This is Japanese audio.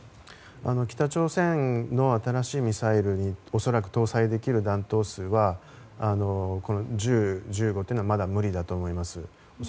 北朝鮮の新しいミサイルにおそらく搭載できる弾頭数は１０、１５というのはまだ無理だと思います。